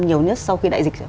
nhiều nhất sau khi đại dịch